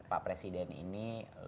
pak presiden ini